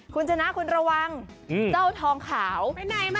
คุณชนะคุณระวังอืมเจ้าทองขาวไปไหนมั้ย